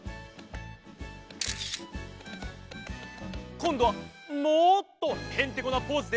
こんどはもっとヘンテコなポーズで。